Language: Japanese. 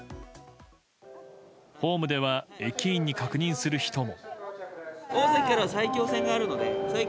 ホームでは、駅員に確認する人も。